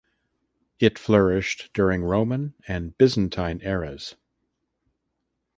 It flourished during Roman and Byzantine eras.